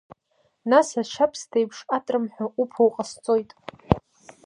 Нас ашьабсҭеиԥш атрымҳәа уԥо уҟасҵоит…